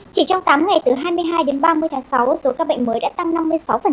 chỉ trong tám ngày từ hai mươi hai đến ba mươi tháng sáu số các bệnh mới đã tăng năm mươi sáu